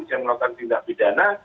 yang melakukan tindak bidana